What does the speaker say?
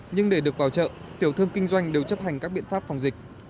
nhưng để được vào chợ tiểu thương kinh doanh đều chấp hành các biện pháp phòng dịch